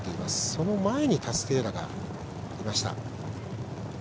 その前にタスティエーラがいました。